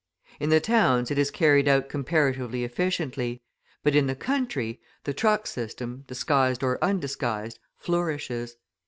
In the towns it is carried out comparatively efficiently; but in the country, the truck system, disguised or undisguised, flourishes.